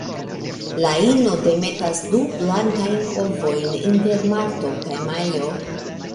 La ino demetas du blankajn ovojn inter marto kaj majo.